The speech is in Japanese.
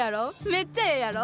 めっちゃええやろ？